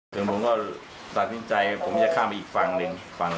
ผมก็สัดสินใจผมจะข้ามไปอีกฝั่งหนึ่ง